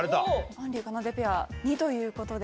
あんりかなでペア２という事で。